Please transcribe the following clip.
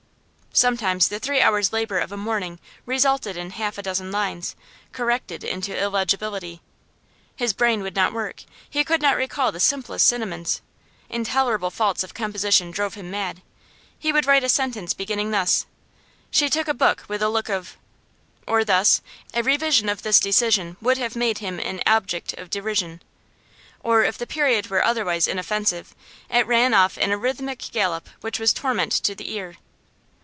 Sometimes the three hours' labour of a morning resulted in half a dozen lines, corrected into illegibility. His brain would not work; he could not recall the simplest synonyms; intolerable faults of composition drove him mad. He would write a sentence beginning thus: 'She took a book with a look of ;' or thus: 'A revision of this decision would have made him an object of derision.' Or, if the period were otherwise inoffensive, it ran in a rhythmic gallop which was torment to the ear.